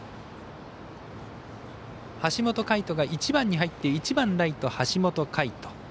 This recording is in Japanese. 橋本快斗が１番に入って１番ライト、橋本快斗。